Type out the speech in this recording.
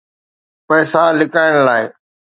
پئسا لڪائڻ لاءِ.